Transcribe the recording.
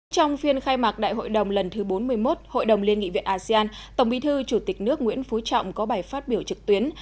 trong phiên khai mạc đại hội đồng lần thứ bốn mươi một hội đồng liên nghị viện asean tổng bí thư chủ tịch nước nguyễn phú trọng có bài phát biểu trực tuyến